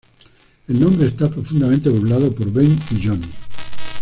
El nombre está profundamente burlado por Ben y Johnny.